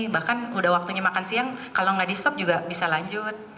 bahkan udah waktunya makan siang kalau nggak di stop juga bisa lanjut